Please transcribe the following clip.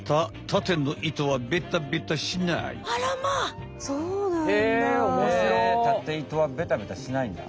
タテ糸はベタベタしないんだ。